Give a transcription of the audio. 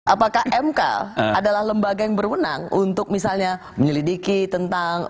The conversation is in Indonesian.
apakah mk adalah lembaga yang berwenang untuk misalnya menyelidiki tentang